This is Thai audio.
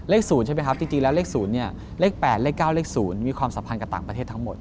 ๐ใช่ไหมครับจริงแล้วเลข๐เนี่ยเลข๘เลข๙เลข๐มีความสัมพันธ์กับต่างประเทศทั้งหมด